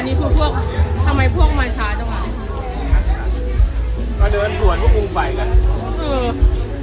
อันนี้คือพวกทำไมพวกมาช้าจังหรอมาเดินกวนพวกมึงไปกันเออ